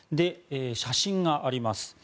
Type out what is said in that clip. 写真があります。